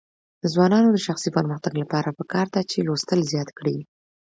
د ځوانانو د شخصي پرمختګ لپاره پکار ده چې لوستل زیات کړي.